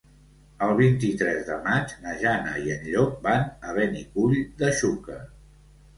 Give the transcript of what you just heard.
El vint-i-tres de maig na Jana i en Llop van a Benicull de Xúquer.